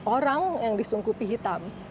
orang yang disungkupi hitam